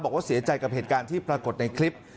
บอกว่าเสียใจกับเหตุการณ์ที่ปรากฏในคลิป